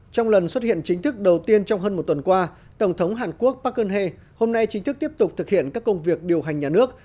trong lần xuất hiện chính thức đầu tiên trong hơn một tuần qua tổng thống hàn quốc park han he hôm nay chính thức tiếp tục thực hiện các công việc điều hành nhà nước